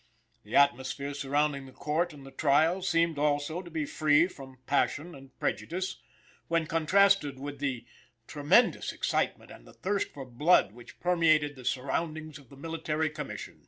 The atmosphere surrounding the court and the trial seemed, also, to be free from passion and prejudice, when contrasted with the tremendous excitement and the thirst for blood, which permeated the surroundings of the Military Commission.